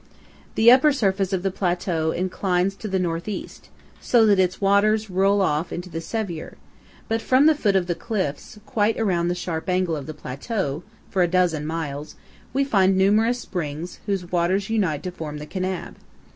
The upper surface of the plateau inclines to the northeast, so that its waters roll off into the Sevier; but from the foot of the cliffs, quite around the sharp angle of the plateau, for a dozen miles, we find numerous springs, whose waters unite to form the Kanab.